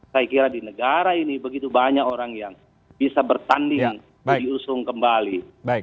saya kira di negara ini begitu banyak orang yang bisa bertanding diusung kembali